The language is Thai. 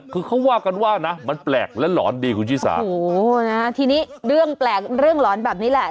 คือเขาว่ากันว่านะมันแปลกและหลอนดีคุณชิสาโอ้โหนะทีนี้เรื่องแปลกเรื่องหลอนแบบนี้แหละ